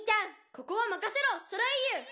「ここはまかせろソレイユ」